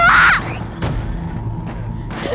kok gue nih tinggal sih